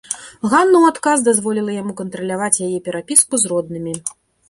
Ганна ў адказ дазволіла яму кантраляваць яе перапіску з роднымі.